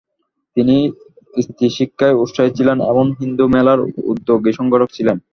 তিনি স্ত্রীশিক্ষায় উৎসাহী ছিলেন এবং হিন্দুমেলার উদ্যোগী সংগঠক ছিলেন।